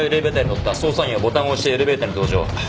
捜査員はボタンを押してエレベーターに同乗。